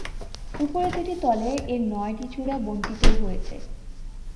উপরের দুটি তলে এর নয়টি চূড়া বণ্টিত হয়েছে।